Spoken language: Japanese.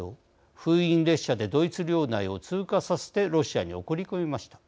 封印列車でドイツ領内を通過させてロシアに送り込みました。